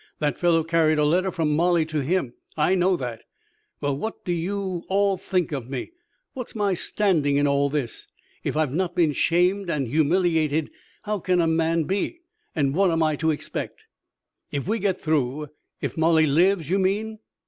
That fellow carried a letter from Molly to him. I know that. Well, what do you all think of me? What's my standing in all this? If I've not been shamed and humiliated, how can a man be? And what am I to expect?" "If we get through, if Molly lives, you mean?"